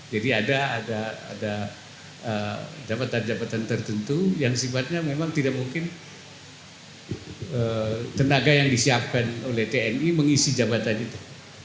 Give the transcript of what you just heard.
jadi ada ada ada jabatan jabatan tertentu yang sebetulnya memang tidak mungkin tenaga yang disiapkan oleh tni mengisi jabatan itu